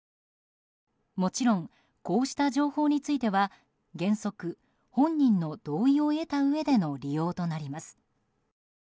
もちろんこうした情報については原則、本人の同意を得たうえでの利用となります。